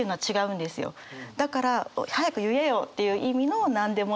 だから早く言えよっていう意味のなんでもない。